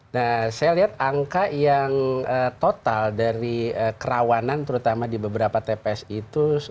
nah saya lihat angka yang total dari kerawanan terutama di beberapa tps itu